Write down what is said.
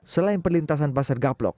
selain perlintasan pasar gap lok